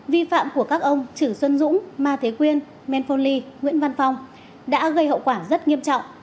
vi phạm của các ông trử xuân dũng ma thế quyên nguyễn phôn ly nguyễn văn phong đã gây hậu quả rất nghiêm trọng